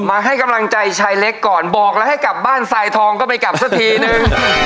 มาให้กำลังใจชายเล็กก่อนบอกแล้วให้กลับบ้านทรายทองก็ไม่กลับสักทีนึง